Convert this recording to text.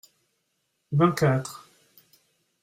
Vingt-quatre.